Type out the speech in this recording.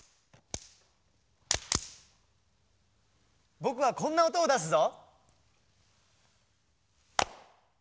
ぼくはこんなおとをだすぞ。